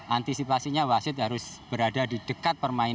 antisipasinya wasit harus berada di dekat permainan